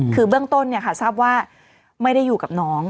คือเบื้องต้นทราบว่าไม่ได้อยู่กับน้อง